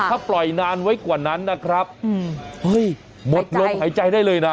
ถ้าปล่อยนานไว้กว่านั้นนะครับเฮ้ยหมดลมหายใจได้เลยนะ